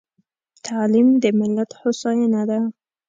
تعليم د ملت هوساينه ده.